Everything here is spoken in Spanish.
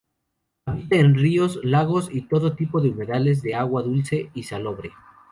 Habita en ríos, lagos y todo tipo de humedales de agua dulce y salobre.